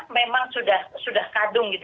memang sudah kadung